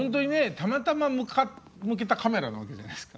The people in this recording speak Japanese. たまたま向けたカメラなわけじゃないですか。